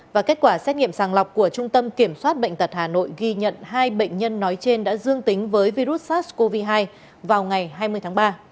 và kết quả xét nghiệm sàng lọc của trung tâm kiểm soát bệnh tật hà nội ghi nhận hai bệnh nhân nói trên đã dương tính với virus sars cov hai vào ngày hai mươi tháng ba